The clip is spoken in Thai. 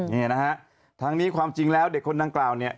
นี่นะฮะทั้งนี้ความจริงแล้วเด็กคนดังกล่าวเนี่ย